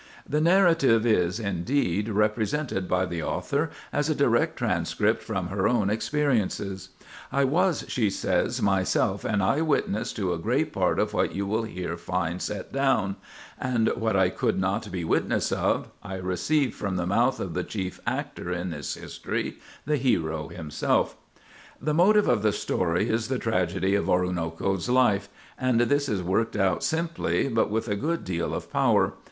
The narrative is, indeed, represented by the author as a direct transcript from her own experiences. "I was," she says, "myself an eye witness to a great part of what you will here find set down; and what I could not be witness of, I received from the mouth of the chief actor in this history, the hero himself." Footnote 16: "English Women of Letters," vol. i., p. 31. The motive of the story is the tragedy of Oroonoko's life, and this is worked out simply, but with a good deal of power.